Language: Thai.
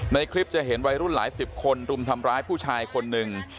ในคลิปจะเห็นวัยรุ่นหลายสิบคนรุมทำร้ายผู้ชายคนหนึ่ง